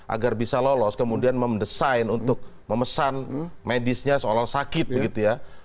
agar bisa lolos kemudian mendesain untuk memesan medisnya seolah olah sakit begitu ya